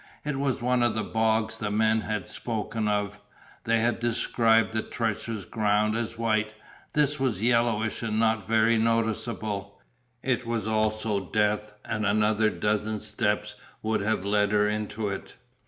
It was one of the bogs the men had spoken of. They had described the treacherous ground as white, this was yellowish and not very noticeable, it was also death and another dozen steps would have led her into it.